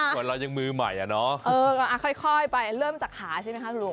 ส่วนเรายังมือใหม่อ่ะเนาะค่อยไปเริ่มจากขาใช่ไหมคะคุณลุง